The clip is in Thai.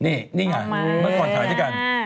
นี่นี่ค่ะเมื่อก่อนถ่ายด้วยกัน